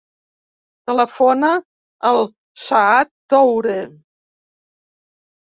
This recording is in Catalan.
Telefona al Saad Toure.